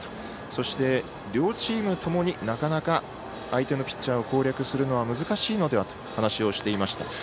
そして、両チームともになかなか相手のピッチャーを攻略するのは難しいのではと話をしていました。